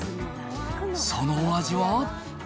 そのお味は？